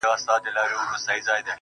فضول هغه څه دی